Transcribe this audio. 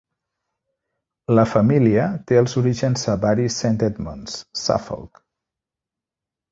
La família té els orígens a Bury Saint Edmunds, Suffolk.